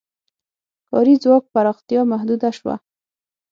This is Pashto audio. کاري ځواک پراختیا محدوده شوه.